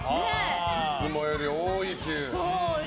いつもより多いという。